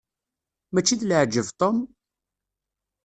Mačči d leɛjeb Tom?